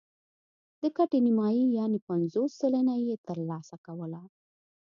د ګټې نیمايي یعنې پنځوس سلنه یې ترلاسه کوله.